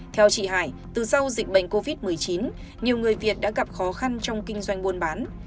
theo chị hải từ sau dịch bệnh covid một mươi chín nhiều người việt đã gặp khó khăn trong kinh doanh buôn bán